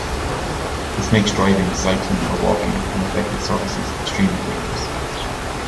This makes driving, cycling or walking on affected surfaces extremely dangerous.